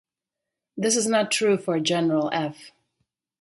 This not true for general "F".